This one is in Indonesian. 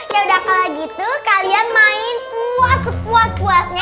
yaudah kalau gitu kalian main puas puas puasnya